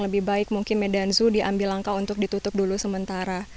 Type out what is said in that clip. lebih baik mungkin medan zoo diambil langkah untuk ditutup dulu sementara